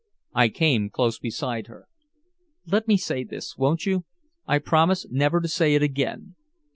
I came close beside her: "Let me say this. Won't you? I'll promise never to say it again.